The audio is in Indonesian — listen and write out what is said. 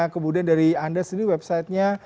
kemudian dari anda sendiri websitenya